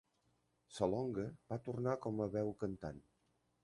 Salonga va tornar com a veu cantant.